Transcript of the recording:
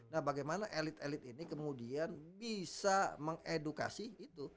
nah bagaimana elite elite ini kemudian bisa mengedukasi gitu